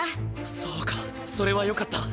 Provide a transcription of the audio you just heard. そうかそれはよかった。